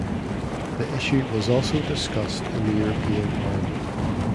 The issue was also discussed in the European Parliament.